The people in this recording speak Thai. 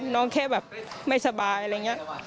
แค่แบบไม่สบายอะไรอย่างนี้